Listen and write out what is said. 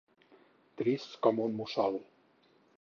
Trist com un mussol.